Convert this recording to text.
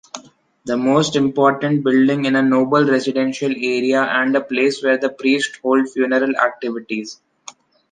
The most important building is a noble residential area and a place where the priests hold funeral activities.